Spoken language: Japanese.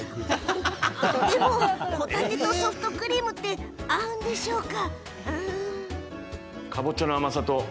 でもホタテとソフトクリームって合うんでしょうか？